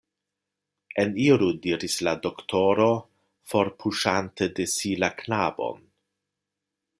Eniru! diris la doktoro, forpuŝante de si la knabon.